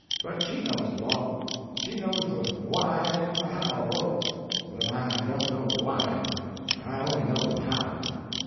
But she knows the law. She knows the why and the how both; but I don't know the why; I only know the how."